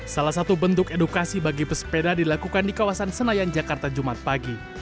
salah satu bentuk edukasi bagi pesepeda dilakukan di kawasan senayan jakarta jumat pagi